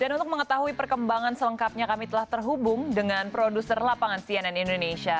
dan untuk mengetahui perkembangan selengkapnya kami telah terhubung dengan produser lapangan cnn indonesia